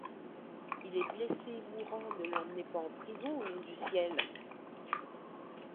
Il est blessé, mourant, ne l'emmenez pas en prison, au nom du ciel !